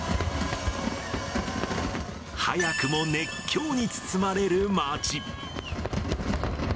早くも熱狂に包まれる街。